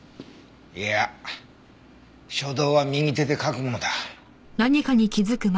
いや書道は右手で書くものだ。